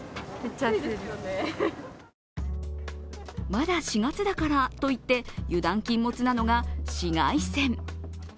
まだ４月だからといって油断禁物なのが紫外線。